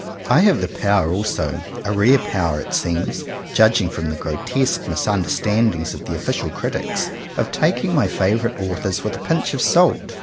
I have the power also — a rare power it seems, judging from the grotesque misunderstandings of the official critics — of taking my favourite authors with a pinch of salt.